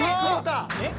えっ？